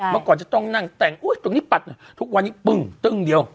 เมื่อก่อนจะต้องนั่งแต่งตรงนี้ปัดหน่อยทุกวันนี้ปึ้งตึ้งเดียว